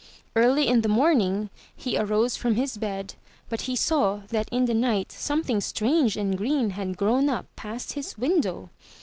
Early in the morning, he arose from his bed, but he saw that in the night something strange and green had grown up past his window.